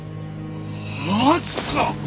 マジか？